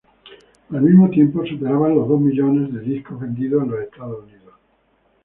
Al mismo tiempo superaban los dos millones discos vendidos en los Estados Unidos.